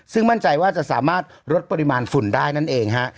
ซึ่งมั่นใจว่าจะสามารถลดปริมาณฝุ่นได้นั่นเองฮะ